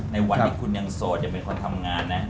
ในวันที่คุณยังโสดยังเป็นคนทำงานนะ